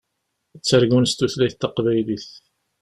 Ttargun s tutlayt taqbaylit.